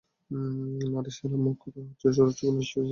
না রে, শালা মুর্খ, তার হচ্ছে সুরুচিসম্পন্ন, স্টাইলিশ আর মার্জিত।